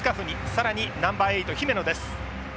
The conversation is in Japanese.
更にナンバー８姫野です。